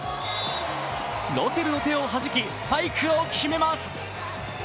ロセルの手をはじきスパイクを決めます。